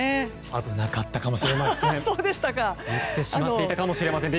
危なかったかもしれません。